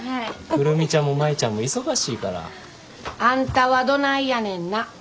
久留美ちゃんも舞ちゃんも忙しいから。あんたはどないやねんな。